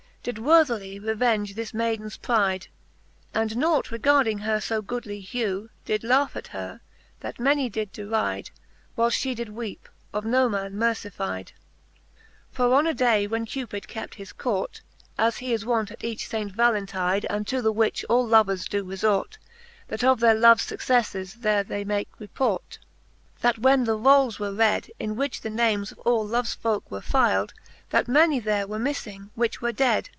Did worthily revenge this maydens pride ; And nought regarding her fo goodly hew. Did laugh at her, that many did deride, Whileft Ihe did weepe, of no man mercifide. For on a day, when Cupid kept his court. As he is wont at each Saint Valentide, Unto the which all lovers doe refort, That of their loves fuccefle there they may make report ; XXXIII. It Canto VII. the Faerie §lueene. 311 XXXIII. It fortun'd then, that when the roules were red, In which the names of all loves folke were fyled. That many there were miffing, which were ded.